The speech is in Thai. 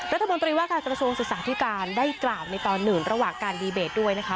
รัฐมนตรีว่าการกระทรวงศึกษาธิการได้กล่าวในตอนหนึ่งระหว่างการดีเบตด้วยนะคะ